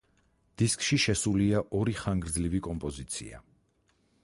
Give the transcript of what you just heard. დისკში შესულია ორი ხანგრძლივი კომპოზიცია.